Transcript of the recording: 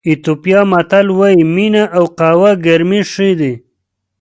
ایتیوپیایي متل وایي مینه او قهوه ګرمې ښې دي.